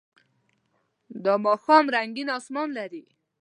دا ماښام رنګین آسمان لري.